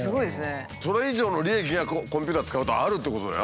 それ以上の利益がコンピューター使うとあるってことだよ。